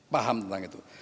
paham tentang itu